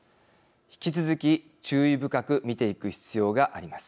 引き続き注意深く見ていく必要があります。